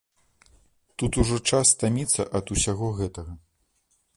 Тут ужо час стаміцца ад усяго гэтага.